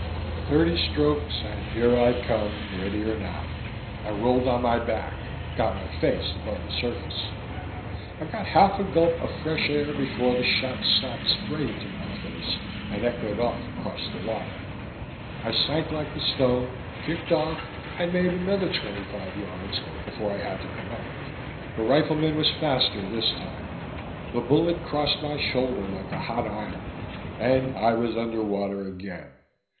Thirty strokes, and here I come, ready or not. I rolled on my back, got my face above the surface. I got half a gulp of fresh air before the shot slapped spray into my face and echoed off across the water. I sank like a stone, kicked off, and made another twenty five yards before I had to come up. The rifleman was faster this time. The bullet crossed my shoulder like a hot iron, and I was under water again.